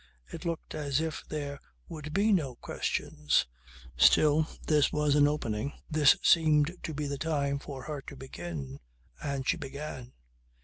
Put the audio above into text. It looked as if there would be no questions. Still this was an opening. This seemed to be the time for her to begin. And she began.